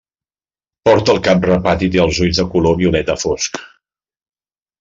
Porta el cap rapat i té els ulls de color violeta fosc.